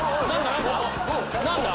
何だ？